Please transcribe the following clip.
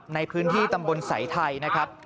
ในพื้นที่ตำบลสายไทยนะครับ